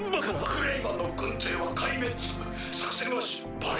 クレイマンの軍勢は壊滅作戦は失敗。